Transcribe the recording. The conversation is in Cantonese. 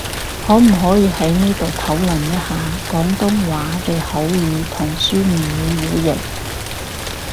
可唔可以喺呢度討論一下，廣東話嘅口語同書面語互譯？